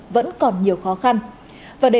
vẫn còn nhiều khó khăn và để